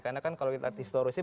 karena kan kalau di historisnya